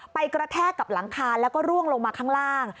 กระแทกกับหลังคาแล้วก็ร่วงลงมาข้างล่าง